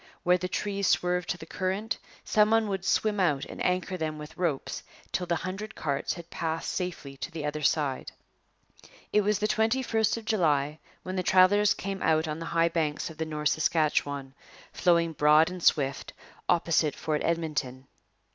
Where the trees swerved to the current, some one would swim out and anchor them with ropes till the hundred carts had passed safely to the other side. It was the 21st of July when the travellers came out on the high banks of the North Saskatchewan, flowing broad and swift, opposite Fort Edmonton.